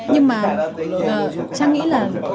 nhưng mà trang nghĩ là